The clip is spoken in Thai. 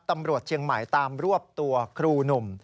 ตำรวจเชียงใหม่ตามรวบตัวครูหนุ่ม